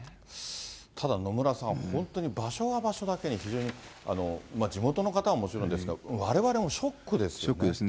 ただ野村さん、本当に場所が場所だけに、非常に、地元の方もちろんですが、われわれもショックですよね。